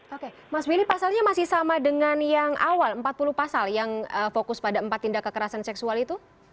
oke mas willy pasalnya masih sama dengan yang awal empat puluh pasal yang fokus pada empat tindak kekerasan seksual itu